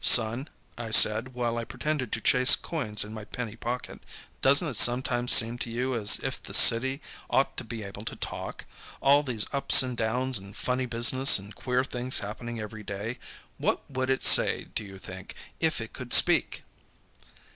"Son," I said, while I pretended to chase coins in my penny pocket, "doesn't it sometimes seem to you as if the city ought to be able to talk? All these ups and downs and funny business and queer things happening every day what would it say, do you think, if it could speak?"